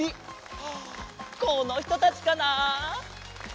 ああこのひとたちかな？